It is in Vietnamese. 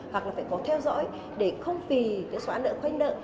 hoặc là phải có theo dõi để không vì cái xóa nợ khoanh nợ